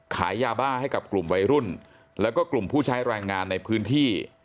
ขายยาบ้าให้กับกลุ่มวัยรุ่นแล้วก็กลุ่มผู้ใช้แรงงานในพื้นที่